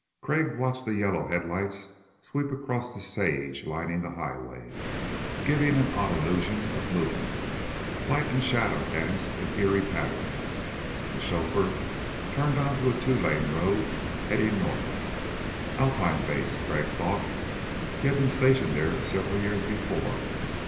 Crag watched the yellow headlights sweep across the sage lining the highway, giving an odd illusion of movement. Light and shadow danced in eerie patterns. The chauffeur turned onto a two lane road heading north. Alpine Base, Crag thought. He had been stationed there several years before.